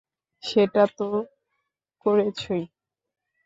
সেটা তো করেছই।